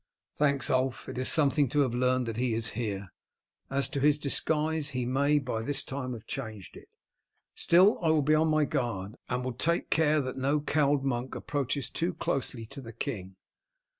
"Thanks, Ulf. It is something to have learned that he is here. As to his disguise, he may by this time have changed it. Still, I will be on my guard, and will take care that no cowled monk approaches too closely to the king.